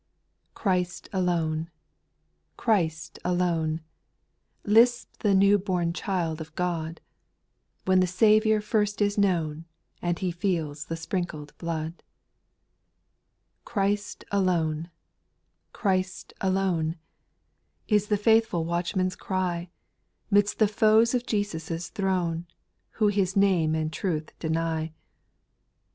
Christ alone — Christ alone — Lisps the new born child of God, When the Saviour first is known, And he feels the sprinkled blood. 8. Christ alone — Christ alone — Is the faithful watchman's cry, Midst the foes of Jesus' throne, Who His name and truth deny. 4.